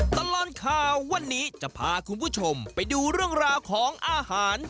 ตลอดข่าววันนี้จะพาคุณผู้ชมไปดูเรื่องราวของอาหาร